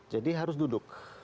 jadi harus duduk